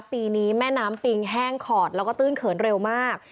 ปีนี้แม่น้ำปิงแห้งขอดแล้วก็ตื้นเขินเร็วมาก